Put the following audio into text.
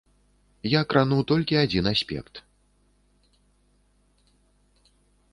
Я крану толькі адзін аспект.